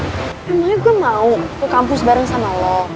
emangnya gue mau ke kampus bareng sama lo